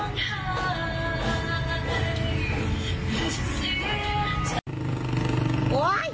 โอ้ยเอ็ดต้นสวดเลย